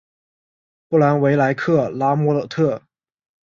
布兰维莱尔拉莫特。